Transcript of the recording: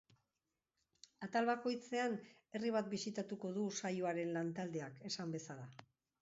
Atal bakoitzean, herri bat bisitatuko du saioaren lantaldeak, esan bezala.